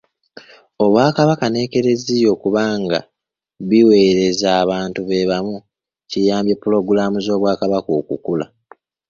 Obwakabaka n’Eklezia okuba nga biweereza abantu be bamu kiyambye pulogulaamu z’Obwakabaka okukula.